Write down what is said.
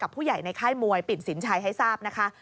ผู้ใหญ่ในค่ายมวยปิ่นสินชัยให้ทราบนะคะ